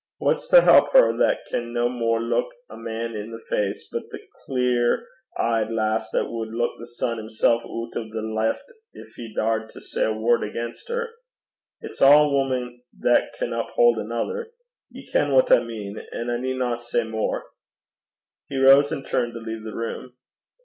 Wha's to help her that can no more luik a man i' the face, but the clear e'ed lass that wad luik the sun himsel' oot o' the lift gin he daured to say a word against her. It's ae woman that can uphaud anither. Ye ken what I mean, an' I needna say mair.' He rose and turned to leave the room.